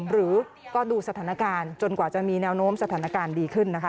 หรือก็ดูสถานการณ์จนกว่าจะมีแนวโน้มสถานการณ์ดีขึ้นนะคะ